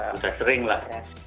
sudah sering lah